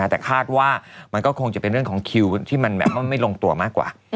แต่คาดว่ามันก็คงจะเป็นเรื่องของคิวที่มันแบบว่าไม่ลงตัวมากกว่า